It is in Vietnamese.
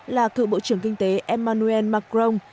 là cựu bộ trưởng kinh tế emmanuel macron